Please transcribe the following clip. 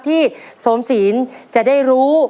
ที่สมศีลจะได้รู้